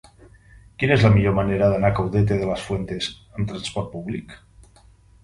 Quina és la millor manera d'anar a Caudete de las Fuentes amb transport públic?